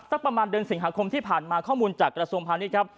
ประมาณเดือนสิงหาคมที่ผ่านมาข้อมูลจากกระทรวงพาณิชย์ครับ